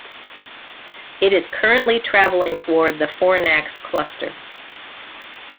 It is currently traveling toward the Fornax cluster.